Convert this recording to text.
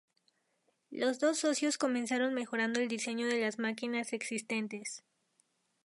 Los dos socios comenzaron mejorando el diseño de las máquinas existentes.